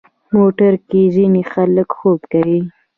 موټر کې ځینې خلک خوب کوي.